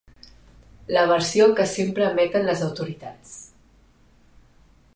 La versió que sempre emeten les autoritats.